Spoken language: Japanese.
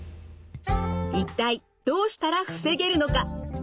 一体どうしたら防げるのか？